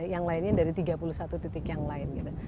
yang lainnya dari tiga puluh satu titik yang lain gitu